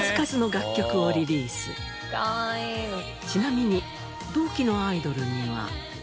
ちなみに同期のアイドルには。